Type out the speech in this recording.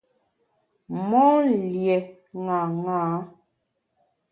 Mon lié ṅaṅâ.